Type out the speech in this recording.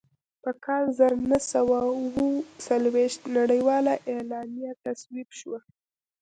په کال زر نهه سوه اووه څلوېښت نړیواله اعلامیه تصویب شوه.